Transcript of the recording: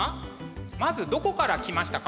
まずどこから来ましたか？